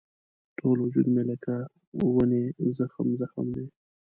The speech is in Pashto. ټول وجود مې لکه ونې زخم زخم دی.